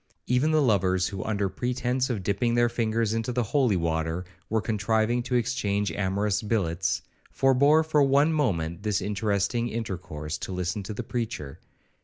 Even the lovers, who, under pretence of dipping their fingers into the holy water, were contriving to exchange amorous billets, forbore for one moment this interesting intercourse, to listen to the preacher.